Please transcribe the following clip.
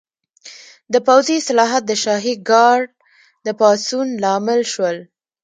د پوځي اصلاحات د شاهي ګارډ د پاڅون لامل شول.